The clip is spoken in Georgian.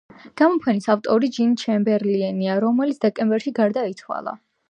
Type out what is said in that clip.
გამოფენის ავტორი ჯონ ჩემბერლენია, რომელიც დეკემბერში გარდაიცვალა.